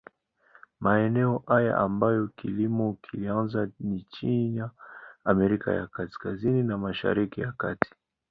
Maeneo haya ambako kilimo kilianza ni China, Amerika ya Kaskazini na Mashariki ya Kati.